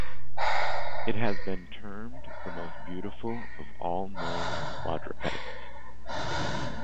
It has been termed the most beautiful of all known quadrupeds.